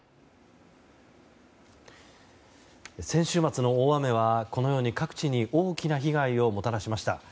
先週末の大雨は、各地に大きな被害をもたらしました。